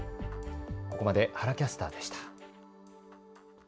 ここまで原キャスターでした。